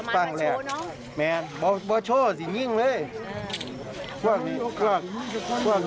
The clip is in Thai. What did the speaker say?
ประมาณแบบโชค์ครับ